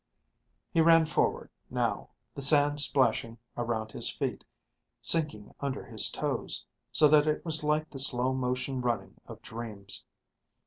He ran forward, now, the sand splashing around his feet, sinking under his toes, so that it was like the slow motion running of dreams.